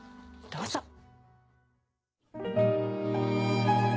どうぞ。